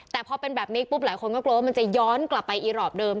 แต่พอเป็นแบบนี้ปุ๊บหลายคนก็กลัวว่ามันจะย้อนกลับไปอีรอปเดิม